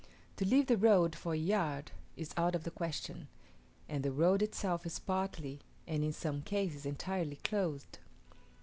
To leave the road for a yard is out of the question; and the road itself is partly, and in some cases entirely closed.